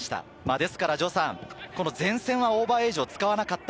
ですから、前線はオーバーエイジを使わなかった。